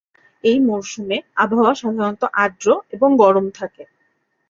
এই মরসুমে আবহাওয়া সাধারণত আর্দ্র এবং গরম থাকে।